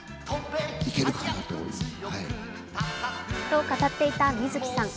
と語っていた水木さん。